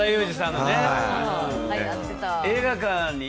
映画館に。